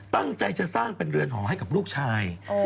ตั้งใจจะสร้างเป็นเรือนหอให้กับลูกชาย